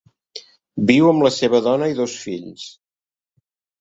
Viu amb la seva dona i dos fills.